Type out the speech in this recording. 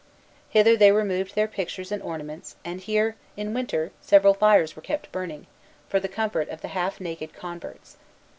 Hither they removed their pictures and ornaments; and here, in winter, several fires were kept burning, for the comfort of the half naked converts.